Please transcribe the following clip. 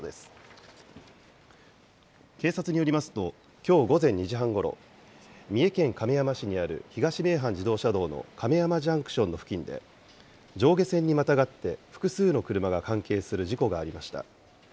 警察によりますと、きょう午前２時半ごろ、三重県亀山市にある東名阪自動車道の亀山ジャンクションの付近で、上下線にまたがって複数の車が関係する事故がありました。